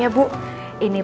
sampai dia nanti nanti